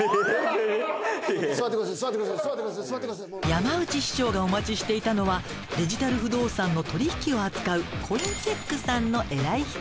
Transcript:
山内師匠がお待ちしていたのはデジタル不動産の取引を扱うコインチェックさんの偉い人。